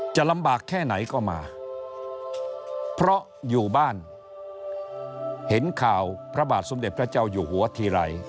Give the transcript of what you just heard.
จะลำบากแค่ไหนก็มาเพราะอยู่บ้านเห็นข่าวพระบาทสมเด็จพระเจ้าอยู่หัวทีไร